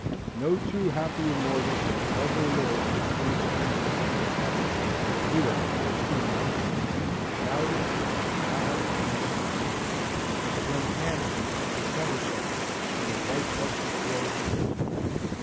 No two happier mortals ever lived than Coonskin and I. We threw our hats in the air; we shouted, and hurrahed, and sang; and turned handsprings and somersaults on the white, dusty floor of the desert.